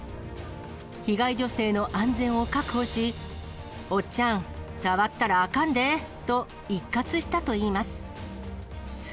被害女性の安全を確保し、おっちゃん、触ったらあかんで！と、一喝したといいます。